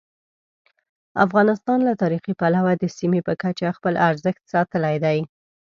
افغانستان له تاریخي پلوه د سیمې په کچه خپل ارزښت ساتلی دی.